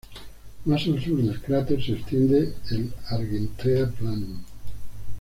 Más al sur del cráter se extiende el Argentea Planum.